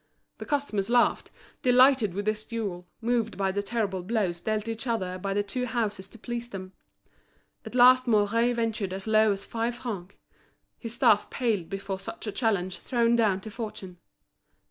The customers laughed, delighted with this duel, moved by the terrible blows dealt each other by the two houses to please them. At last Mouret ventured as low as five francs; his staff paled before such a challenge thrown down to fortune.